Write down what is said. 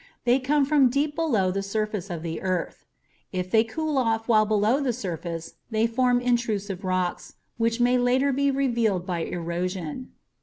They come from deep below the surface of the earth. If they cool off while below the surface, they form intrusive rocks, which may later be revealed by erosion.